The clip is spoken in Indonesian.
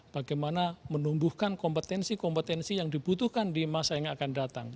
bagaimana menumbuhkan kompetensi kompetensi yang dibutuhkan di masa yang akan datang